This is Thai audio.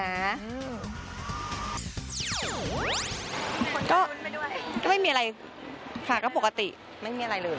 คนที่รุนไปด้วยก็ไม่มีอะไรค่ะก็ปกติไม่มีอะไรเลย